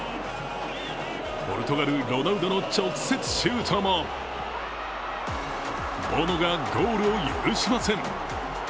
ポルトガル、ロナウドの直接シュートもボノがゴールを許しません。